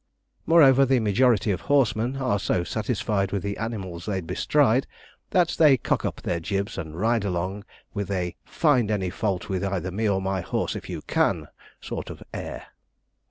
Moreover, the majority of horsemen are so satisfied with the animals they bestride, that they cock up their jibs and ride along with a 'find any fault with either me or my horse, if you can' sort of air.